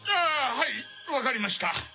はい分かりました。